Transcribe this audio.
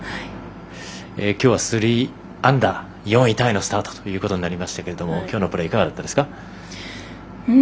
きょうは３アンダー４位タイのスタートということになりましたけれどもきょうのプレーいかがでしたか？